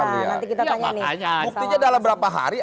buktinya dalam beberapa hari